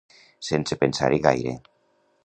Sense pensar-hi gaire.